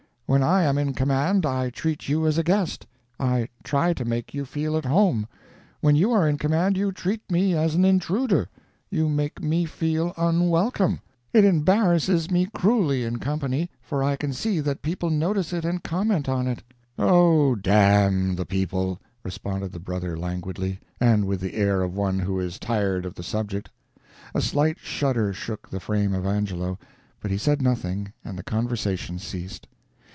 When I am in command I treat you as a guest; I try to make you feel at home; when you are in command you treat me as an intruder, you make me feel unwelcome. It embarrasses me cruelly in company, for I can see that people notice it and comment on it." "Oh, damn the people," responded the brother languidly, and with the air of one who is tired of the subject. A slight shudder shook the frame of Angelo, but he said nothing and the conversation ceased.